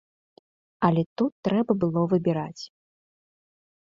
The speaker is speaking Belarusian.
Але тут трэба было выбіраць.